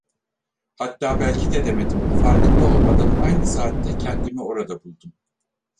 Hatta belki de demedim, farkında olmadan aynı saatte kendimi orada buldum.